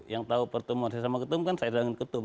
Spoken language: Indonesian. yang tahu pertemuan saya sama ketua umum kan saya dengan ketua umum